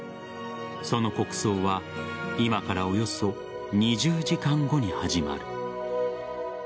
その国葬は今からおよそ２０時間後に始まる。